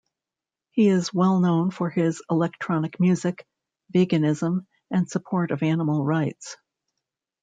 He is well known for his electronic music, veganism, and support of animal rights.